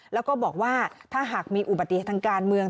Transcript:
แล้วก็บอกว่าถ้าหากมีอุบัติเหตุทางการเมือง